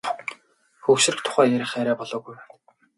Хөгшрөх тухай ярих арай болоогүй байна.